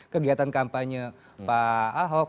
kegiatan kampanye pak ahok